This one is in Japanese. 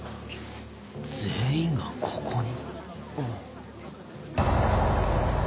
全員がここに？